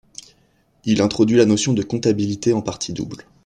Il introduit la notion de comptabilité en partie double.